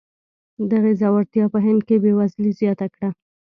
دغې ځوړتیا په هند کې بېوزلي زیاته کړه.